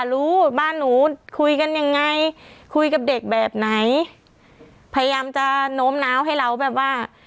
รู้บ้านหนูคุยกันยังไงคุยกับเด็กแบบไหนพยายามจะโน้มน้าวให้เราแบบว่า